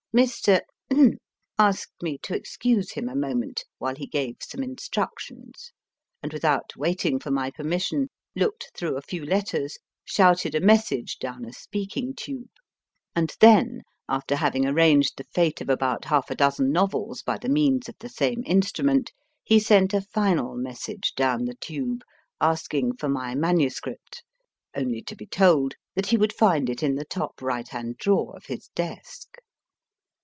248 MY FIRST BOOK Mr. asked me to excuse him a moment while he gave some instructions, and, without waiting for my permis sion, looked through a few letters, shouted a message down a speaking tube, and then, after having arranged the fate of about half a dozen novels by the means of the same instru ment, he sent a final message down the tube asking for my MS., only to be told that he would find it in the top right hand drawer of his desk.